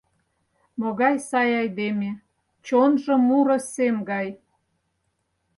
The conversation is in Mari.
Могай сай айдеме, чонжо муро сем гай.